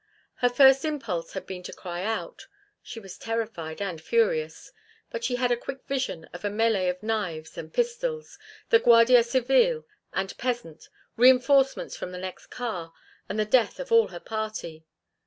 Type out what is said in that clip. Her first impulse had been to cry out; she was terrified and furious. But she had a quick vision of a mêlée of knives and pistols, the Guardia Civile and peasant, reinforcements from the next car, and the death of all her party.